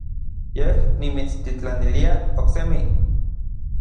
Yej nimitstitlanilia oksemi.